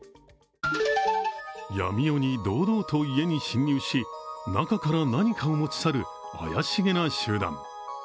闇夜に堂々と家に侵入し中から何かを持ち去る怪しげな集団。